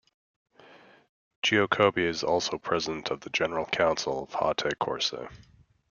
Giacobbi is also President of the general council of Haute-Corse.